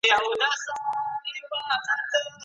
څېړونکی له کومه ځایه سرچيني راټولوي؟